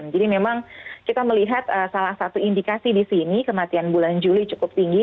jadi memang kita melihat salah satu indikasi di sini kematian bulan juli cukup tinggi